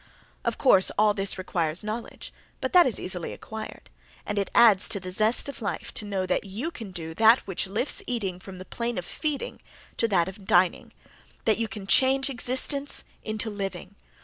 Of course all this requires knowledge, but that is easily acquired, and it adds to the zest of life to know that you can do that which lifts eating from the plane of feeding to that of dining; that you can change existence into living.